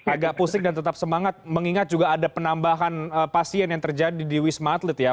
agak pusing dan tetap semangat mengingat juga ada penambahan pasien yang terjadi di wisma atlet ya